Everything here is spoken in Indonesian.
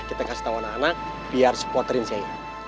kita kasih tau anak anak biar supporterin shay